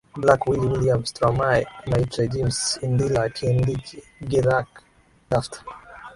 Black Willy William Stromae Maître Gims Indila Kendji Girac Daft